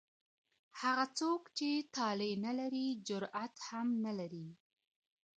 هغه څوک چي طالع نه لري جرئت هم نه لري.